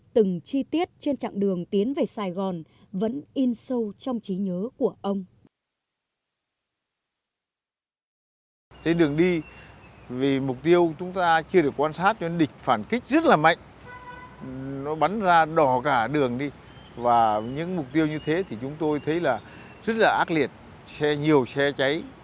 từng chi tiết trên chặng đường tiến về sài gòn vẫn in sâu trong lịch sử của dân tộc